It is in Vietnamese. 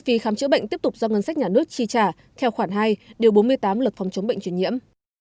nghịch lý là các chủ đầu tư vẫn tiếp tục tập trung vào các dự án nhà nước chi trả theo khoản hai điều bốn mươi tám lực phòng chống bệnh chuyển nhiễm